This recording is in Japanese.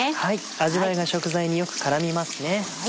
味わいが食材によく絡みますね。